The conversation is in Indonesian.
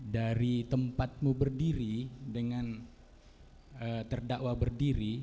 dari tempatmu berdiri dengan terdakwa berdiri